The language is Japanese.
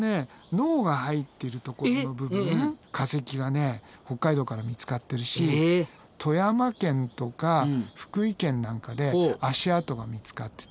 脳が入ってるところの部分化石がね北海道から見つかってるし富山県とか福井県なんかで足跡が見つかってたり。